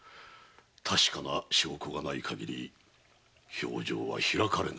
確かな証拠がないかぎり評定は開かれぬ。